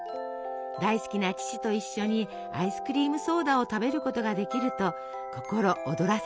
大好きな父と一緒にアイスクリームソーダを食べることができると心躍らせたのです。